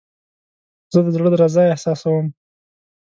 زه د زړه درزا احساسوم.